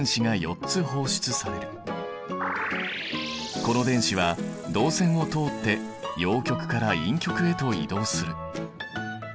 この電子は導線を通って陽極から陰極へと移動する。